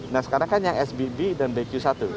nah sekarang kan yang sbb dan bq satu